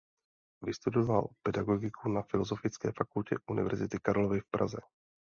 Vystudoval pedagogiku na Filozofické fakultě Univerzity Karlovy v Praze.